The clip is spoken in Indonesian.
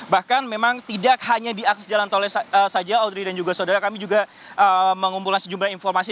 bahkan memang tidak hanya di akses jalan tolnya saja audrey dan juga saudara kami juga mengumpulkan sejumlah informasi